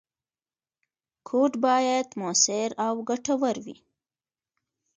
کوډ باید موثر او ګټور وي.